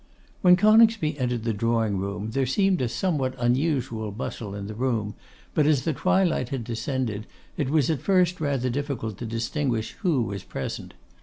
When Coningsby entered the drawing room, there seemed a somewhat unusual bustle in the room, but as the twilight had descended, it was at first rather difficult to distinguish who was present.